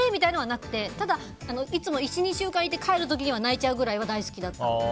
なくてただ、いつも１２週間いて帰る時には泣いちゃうくらいには大好きだった。